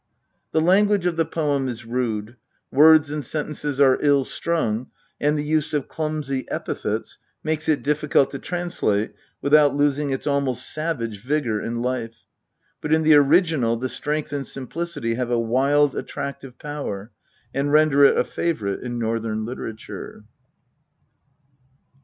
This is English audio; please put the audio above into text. The language of the poem is rude ; words and sentences are ill strung, and the use of clumsy epithets make it difficult to translate without losing its almost savage vigour and life. But in the original the strength and simplicity have a wild attractive power, and render it a favourite in Northern literature.